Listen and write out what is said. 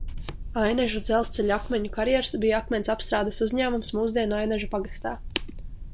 Ainažu dzelzceļa akmeņu karjers bija akmens apstrādes uzņēmums mūsdienu Ainažu pagastā.